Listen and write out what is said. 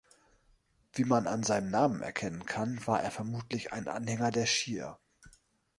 Wie man an seinem Namen erkennen kann, war er vermutlich ein Anhänger der Schia.